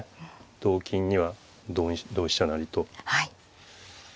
同金には同飛車成と。